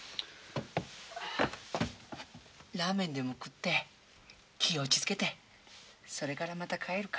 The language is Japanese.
ラーメンでも食って気ぃ落ち着けてそれからまた帰るか。